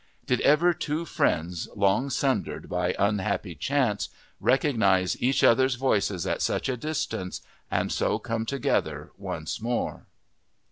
Did ever two friends, long sundered by unhappy chance, recognize each other's voices at such a distance and so come together once more!